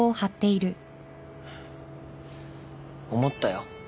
思ったよ